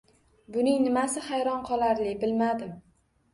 Buning nimasi hayron qolarli, bilmadim